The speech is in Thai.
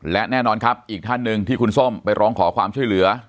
และแน่นอนครับอีกท่านหนึ่งที่คุณส้มไปร้องขอความช่วยเหลือ